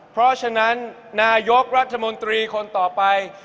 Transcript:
เพราะฉะนั้นนายกรัฐมนตรีคนต่อไป